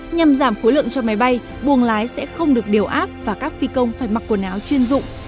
nhằm giảm khối lượng cho máy bay buồng lái sẽ không được điều áp và các phi công phải mặc quần áo chuyên dụng